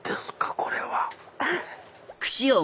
これは。